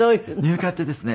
乳化ってですね